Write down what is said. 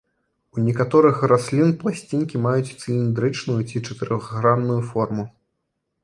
У некаторых раслін пласцінкі маюць цыліндрычную ці чатырохгранную форму.